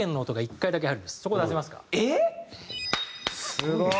すごい！